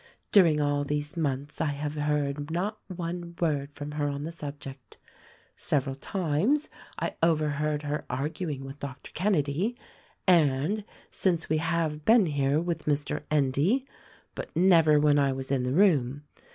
During all these months I have heard not one THE RECORDING ANGEL 273 word from her on the subject, Several times I overheard her arguing with Dr. Kenedy, and, since we have been here, with Mr. Endy — but never when I was in the room.